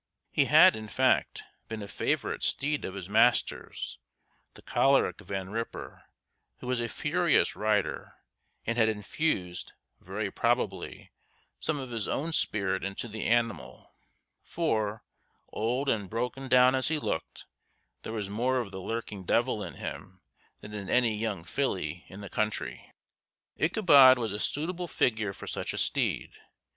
He had, in fact, been a favorite steed of his master's, the choleric Van Ripper, who was a furious rider, and had infused, very probably, some of his own spirit into the animal; for, old and broken down as he looked, there was more of the lurking devil in him than in any young filly in the country. Ichabod was a suitable figure for such a steed.